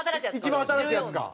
一番新しいやつか。